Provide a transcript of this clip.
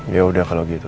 yaudah kalau gitu